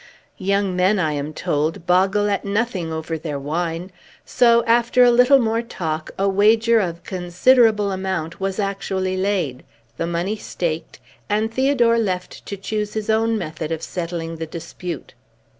Young men, I am told, boggle at nothing over their wine; so, after a little more talk, a wager of considerable amount was actually laid, the money staked, and Theodore left to choose his own method of settling the dispute.